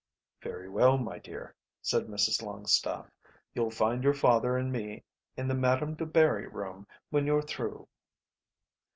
"Very well, my dear," said Mrs Longstaffe. "You'll find your father and me in the Madame du Barry room when you're through."